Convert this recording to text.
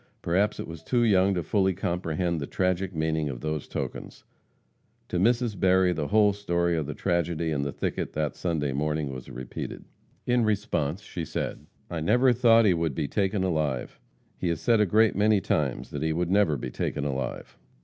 Perhaps it was too young to fully comprehend the tragic meaning of those tokens. To Mrs. Berry the whole story of the tragedy in the thicket that Sunday morning was repeated. In response, she said, "I never thought he would be taken alive. He has said a great many times that he would never be taken alive."